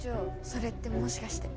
それってもしかして。